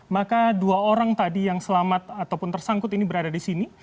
maka dua orang tadi yang selamat ataupun tersangkut ini berada di sini